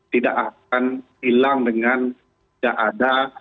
tidak akan hilang dengan tidak ada